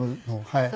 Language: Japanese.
はい。